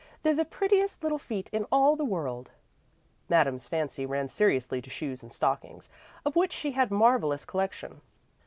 "They're the prettiest little feet in all the world." Madame's fancy ran seriously to shoes and stockings, of which she had a marvellous collection.